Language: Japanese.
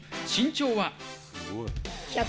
身長は？